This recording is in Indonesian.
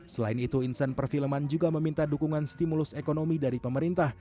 selain itu insan perfilman juga meminta dukungan stimulus ekonomi dari pemerintah